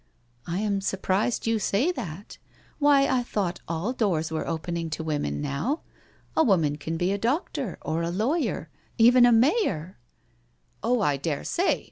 *' I am surprised you say that. Why, I thought all doors were opening to women now— a woman can be a doctor, or a lawyer, even a mayor I" " Oh, I dare say.